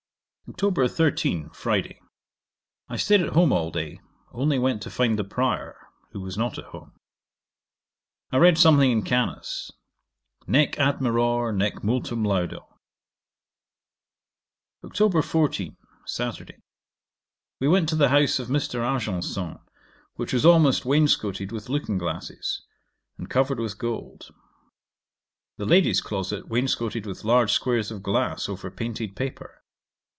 'Oct. 13. Friday. I staid at home all day, only went to find the Prior, who was not at home. I read something in Canus. Nec admiror, nec multum laudo. Oct. 14. Saturday. We went to the house of Mr. Argenson, which was almost wainscotted with looking glasses, and covered with gold. The ladies' closet wainscotted with large squares of glass over painted paper.